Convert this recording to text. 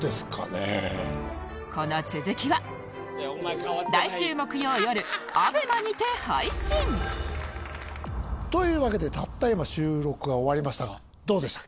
この続きは来週木曜よる ＡＢＥＭＡ にて配信というわけでたった今収録が終わりましたがどうでした？